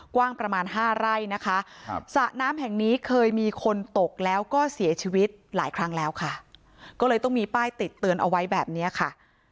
กว้างประมาณ๕ไร่นะคะสระน้ำแห่งนี้เคยมีคนตกแล้วก็เสียชีวิตหลายครั้งแล้วค่ะก็เลยต้องมีป้ายติดเตือนเอาไว้แบบนี้ค่ะ